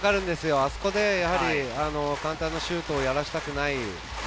あそこで簡単なシュートをやらせたくない。